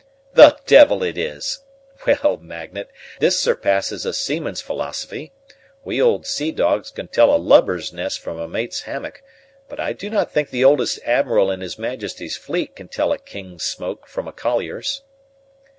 "The devil it is? Well, Magnet, this surpasses a seaman's philosophy: we old sea dogs can tell a lubber's nest from a mate's hammock; but I do not think the oldest admiral in his Majesty's fleet can tell a king's smoke from a collier's."